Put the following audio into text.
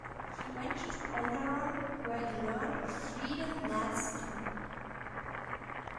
He went to Onderon, where he learned of Freedon Nadd's tomb.